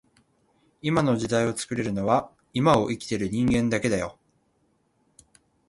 今の時代を作れるのは今を生きている人間だけだよ